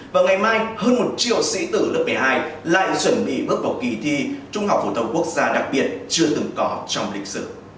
và ngày mai hơn một triệu sĩ tử lớp một mươi hai lại chuẩn bị bước vào kỳ thi trung học phổ thông quốc gia đặc biệt chưa từng có trong lịch sử